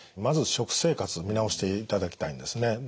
まず食生活見直していただきたいんですね。